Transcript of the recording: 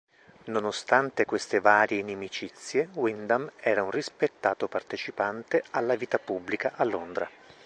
Nonostante queste varie inimicizie, Wyndham era un rispettato partecipante alla vita pubblica a Londra.